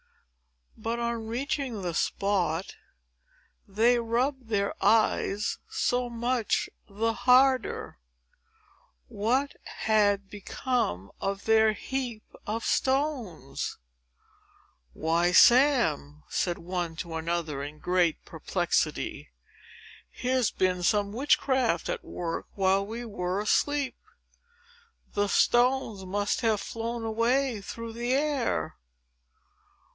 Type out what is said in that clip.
But, on reaching the spot, they rubbed their eyes so much the harder. What had become of their heap of stones! "Why, Sam," said one to another, in great perplexity, "here's been some witchcraft at work, while we were asleep. The stones must have flown away through the air!"